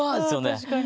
あ確かに。